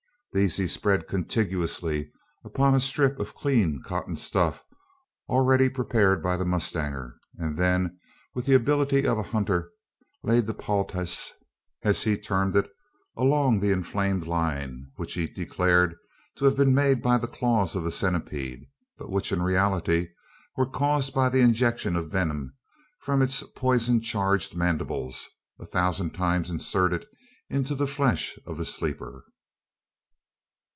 These he spread contiguously upon a strip of clean cotton stuff already prepared by the mustanger; and then, with the ability of a hunter, laid the "powltiss," as he termed it, along the inflamed line, which he declared to have been made by the claws of the centipede, but which in reality was caused by the injection of venom from its poison charged mandibles, a thousand times inserted into the flesh of the sleeper!